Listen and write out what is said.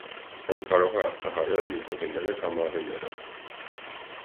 Այն կարող է ախտահարել միզուղիները կամ աղիները։